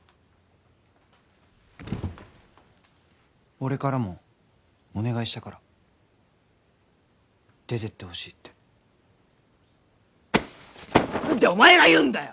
俺からもお願いしたから出てってほしいってなんでお前が言うんだよ！？